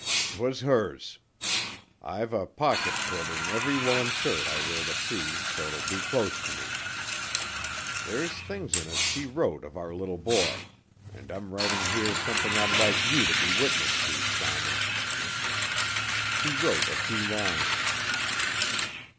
"'Twas hers. I've a pocket put in every woollen shirt I wear to sea so 'twill be close to me. There's things in it she wrote of our little boy. And I'm writing here something I'd like you to be witness to, Simon." He wrote a few lines.